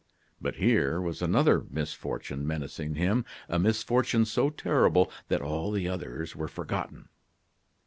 But here was another misfortune menacing him; a misfortune so terrible that all the others were forgotten.